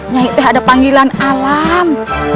nyi ada panggilan alam